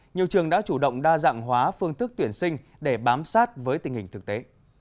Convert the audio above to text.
nhiều trường đã chủ động đa dạng hóa phương thức tuyển sinh để bám sát với tình hình thực tế